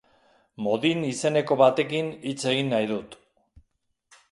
Modin izeneko batekin hitz egin nahi dut.